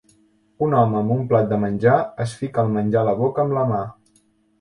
Un home amb un plat de menjar, es fica el menjar a la boca amb la mà.